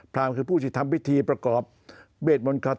พราหมณ์คือผู้ที่ทำวิธีประกอบเบสมนตร์คาถา